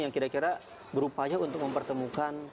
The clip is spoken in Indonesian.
yang kira kira berupaya untuk mempertemukan